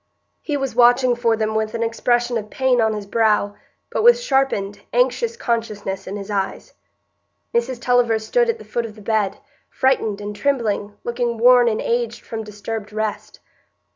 He was watching for them with an expression of pain on his brow, but with sharpened, anxious consciousness in his eyes. Mrs Tulliver stood at the foot of the bed, frightened and trembling, looking worn and aged from disturbed rest.